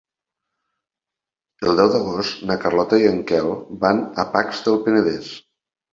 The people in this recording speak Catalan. El deu d'agost na Carlota i en Quel van a Pacs del Penedès.